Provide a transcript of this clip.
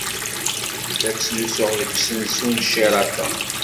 La ttnusuɣ deg usensu n Sheraton.